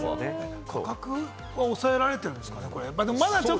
価格を抑えられてるんですかね？